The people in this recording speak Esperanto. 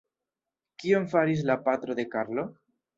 Kion faris la patro de Karlo?